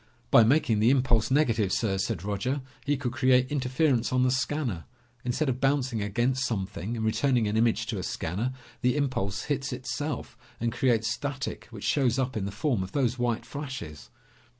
"By making the impulse negative, sir," said Roger, "he could create interference on the scanner. Instead of bouncing against something and returning an image to a scanner, the impulse hits itself and creates static which shows up in the form of those white flashes."